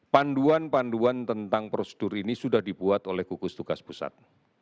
panduan panduan tentang prosedur ini sudah dibuat oleh gugus tugas pusat